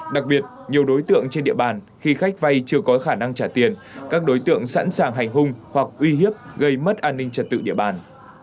đặc biệt nhiều đối tượng trên địa bàn khi khách vay chưa có khả năng trả tiền các đối tượng sẵn sàng hành hung hoặc uy hiếp gây mất an ninh trật tự địa bàn